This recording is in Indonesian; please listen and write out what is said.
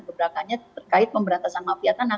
gebrakannya terkait pemberantasan mafia tanah